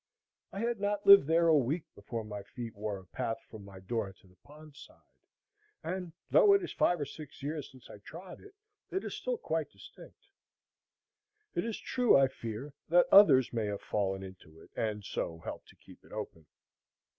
I had not lived there a week before my feet wore a path from my door to the pond side; and though it is five or six years since I trod it, it is still quite distinct. It is true, I fear that others may have fallen into it, and so helped to keep it open.